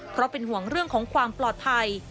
เพราะเป็นห่วงเรื่องของความปลอดภัย